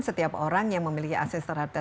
setiap orang yang memiliki akses terhadap